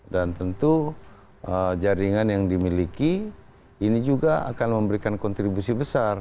dan tentu jaringan yang dimiliki ini juga akan memberikan kontribusi besar